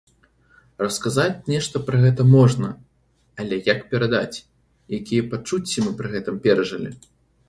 Расказаць нешта пра гэта можна, але як перадаць, якія пачуцці мы пры гэтым перажылі?